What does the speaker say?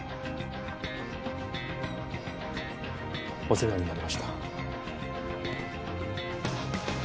お世話になりました。